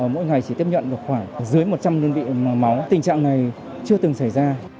mỗi ngày chỉ tiếp nhận được khoảng dưới một trăm linh đơn vị máu tình trạng này chưa từng xảy ra